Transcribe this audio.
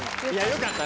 よかった。